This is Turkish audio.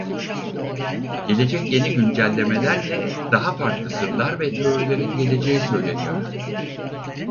Gelecek yeni güncellemelerle daha farklı sırlar ve teorilerin geleceği söyleniyor.